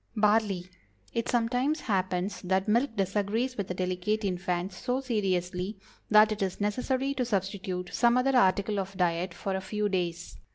BARLEY. It sometimes happens that milk disagrees with a delicate infant so seriously that it is necessary to substitute some other article of diet for a few days.